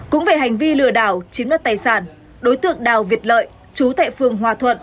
cũng về hành vi lừa đảo chiếm đất tài sản đối tượng đào việt lợi chú tại phường hòa thuận